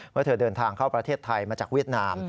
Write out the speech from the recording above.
เมื่อเธอเดินทางเข้าประเทศไทยมาจากเวียดนาม